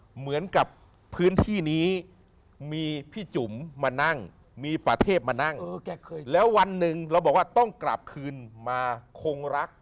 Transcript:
เหมือนกับพื้นที่นี้มีพี่จุ๋มมานั่งมีประเทพมานั่งแล้ววันหนึ่งเราบอกว่าต้องกลับคืนมาคงรัก